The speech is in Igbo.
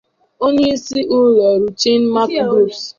onyeisi ụlọọrụ Chinmark Groups